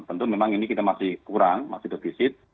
tentu memang ini kita masih kurang masih defisit